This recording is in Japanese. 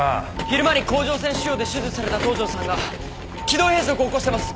昼間に甲状腺腫瘍で手術された東条さんが気道閉塞を起こしてます。